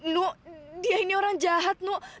nuh dia ini orang jahat nuh